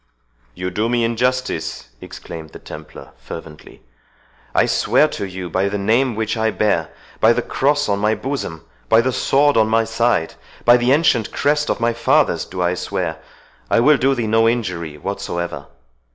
"You do me injustice," exclaimed the Templar fervently; "I swear to you by the name which I bear—by the cross on my bosom—by the sword on my side—by the ancient crest of my fathers do I swear, I will do thee no injury whatsoever!